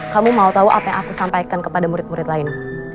kamu mau tahu apa yang aku sampaikan kepada murid murid lain